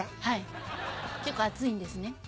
はい結構熱いんですね。